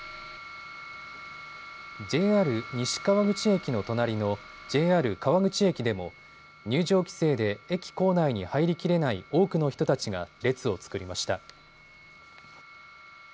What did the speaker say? ＪＲ西川口駅の隣のＪＲ川口駅でも入場規制で駅構内に入りきれない多くの人たちが列を作りました。